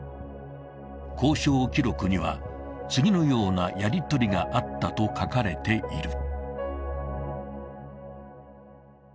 交渉記録には、次のようなやりとりがあったと書かれている。